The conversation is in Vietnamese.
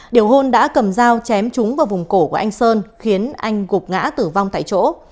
điều hôn đã cầm dao chém trúng vào vùng cổ của anh sơn khiến anh gục ngã tử vong tại chỗ